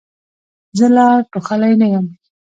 زه لا ټوخلې نه یم.